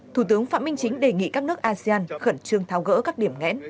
thủ tướng phạm minh chính đề nghị các nước asean khẩn trương tháo gỡ các điểm nghẽn